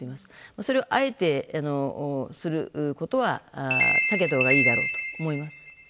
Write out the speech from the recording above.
それをあえてすることは避けたほうがいいだろうと思います。